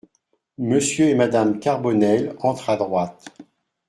Monsieur et madame Carbonel entrent à droite.